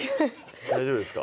大丈夫ですか？